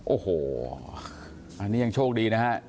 โอ้โหอันนี้ยังโชคดีนะฮะ